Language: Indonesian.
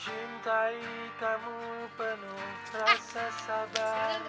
cintai kamu penuh rasa sabar